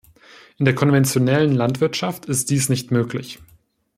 In der konventionellen Landwirtschaft ist dies nicht möglich.